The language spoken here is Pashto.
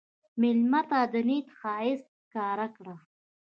مېلمه ته د نیت ښایست ښکاره کړه.